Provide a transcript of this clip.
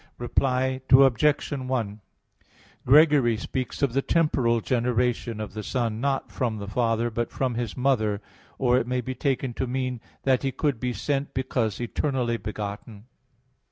Reply Obj. 1: Gregory speaks of the temporal generation of the Son, not from the Father, but from His mother; or it may be taken to mean that He could be sent because eternally begotten.